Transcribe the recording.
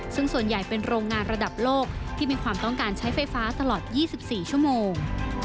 ซึ่งส่วนใหญ่เป็นโรงงานระดับโลกที่มีความต้องการใช้ไฟฟ้าตลอด๒๔ชั่วโมง